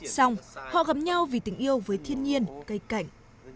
xong họ gặp nhau vì tình yêu với thiên nhiên cây cảnh